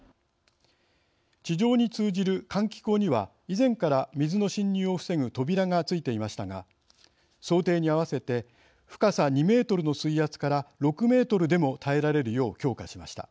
地上に通じる換気口には以前から水の侵入を防ぐ扉が付いていましたが想定に合わせて深さ２メートルの水圧から６メートルでも耐えられるよう強化しました。